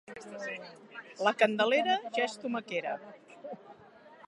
La Candelera ja és tomaquera.